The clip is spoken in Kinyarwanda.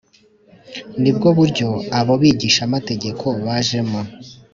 nibwo buryo abo bigishamategeko bajemo